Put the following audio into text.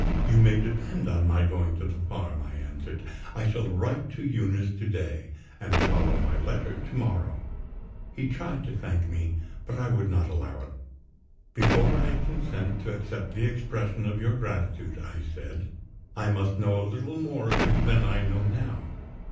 "You may depend on my going to the farm," I answered. "I shall write to Eunice to day, and follow my letter to morrow." He tried to thank me; but I would not allow it. "Before I consent to accept the expression of your gratitude," I said, "I must know a little more of you than I know now.